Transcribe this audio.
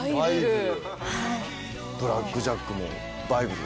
『ブラック・ジャック』もバイブル？